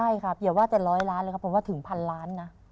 ใช่ครับอย่าว่าแต่ร้อยล้านเลยครับผมว่าถึงพันล้านนะ